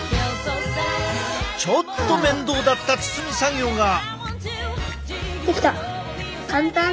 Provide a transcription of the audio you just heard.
ちょっと面倒だった包み作業が。